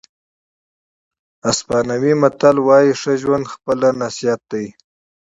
اسپانوي متل وایي ښه ژوند خپله نصیحت دی.